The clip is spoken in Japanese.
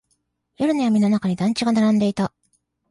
夜の闇の中に団地が並んでいた。